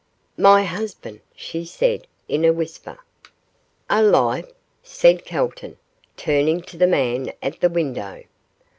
'My husband,' she said, in a whisper. 'Alive?' said Calton, turning to the man at the window.